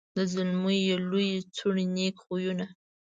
د زلمو یې لويي څوڼي نېک خویونه